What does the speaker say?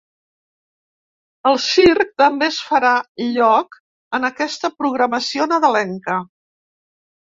El circ també es farà lloc en aquesta programació nadalenca.